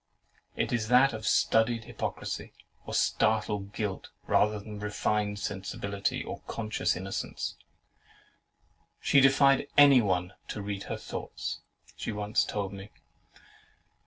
It is that of studied hypocrisy or startled guilt, rather than of refined sensibility or conscious innocence. "She defied anyone to read her thoughts?" she once told me.